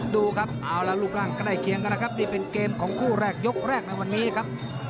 ดูครับเอาละรูปร่างใกล้เคียงกันนะครับนี่เป็นเกมของคู่แรกยกแรกในวันนี้ครับ